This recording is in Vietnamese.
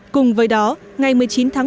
cùng với đó ngày một mươi chín tháng một